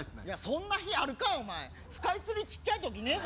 そんな日あるかお前スカイツリーちっちゃい時ねえ